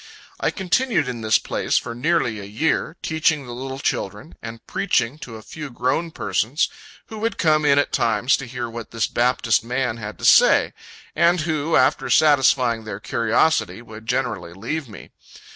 I continued in this place for nearly a year, teaching the little children, and preaching to a few grown persons, who would come in at times to hear what this Baptist man had to say; and who, after satisfying their curiosity, would generally leave me.